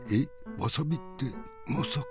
わさびってまさか？